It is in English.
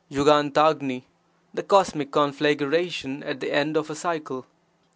^'llflllH — The cosmic conflagration at the end of a cycle.